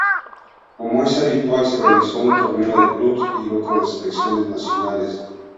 Como es habitual, se realizó un torneo de clubes y otro de selecciones nacionales.